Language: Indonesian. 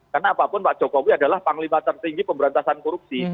karena apapun pak jokowi adalah panglima tertinggi pemberantasan korupsi